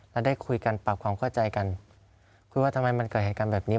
แล้วได้คุยกันปรับความเข้าใจกันคุยว่าทำไมมันเกิดเหตุการณ์แบบนี้